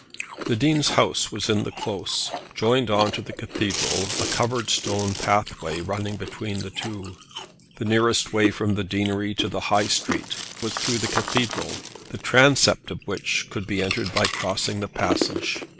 The Dean's house was in the Close, joined on to the Cathedral, a covered stone pathway running between the two. The nearest way from the Deanery to the High Street was through the Cathedral, the transept of which could be entered by crossing the passage.